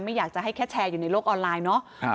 อยากจะให้แค่แชร์อยู่ในโลกออนไลน์เนาะ